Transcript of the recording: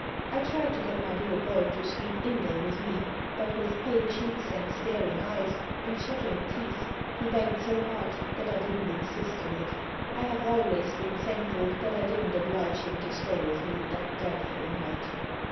I tried to get my little boy to sleep in there with me, but with pale cheeks and staring eyes and chattering teeth he begged so hard that I didn't insist on it. I have always been thankful that I didn't oblige him to stay with me that dreadful night.